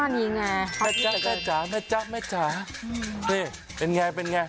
นี่ไงแม่จ๊ะแม่จ๋าแม่จ๊ะแม่จ๋านี่เป็นไงเป็นไง